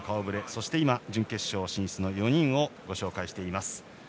そして今、準決勝進出の４人をご紹介しています。